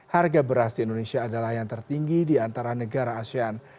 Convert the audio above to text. harga beras di indonesia adalah yang tertinggi di antara negara asean